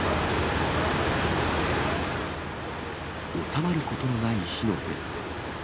収まることのない火の手。